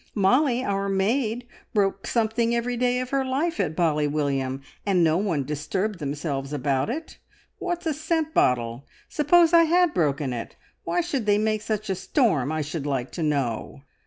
Molly, our maid, broke something every day of her life at Bally William, and no one disturbed themselves about it. What's a scent bottle? Suppose I had broken it, why should they make such a storm, I should like to know?"